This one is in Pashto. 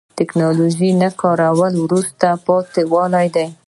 د تکنالوژۍ نه کارول وروسته پاتې والی دی.